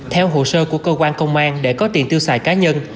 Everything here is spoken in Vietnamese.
theo hồ sơ của cơ quan công an để có tiền tiêu xài cá nhân